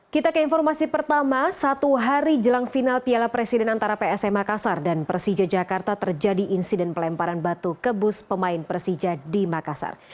kita ke informasi pertama satu hari jelang final piala presiden antara psm makassar dan persija jakarta terjadi insiden pelemparan batu ke bus pemain persija di makassar